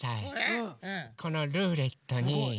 このルーレットに。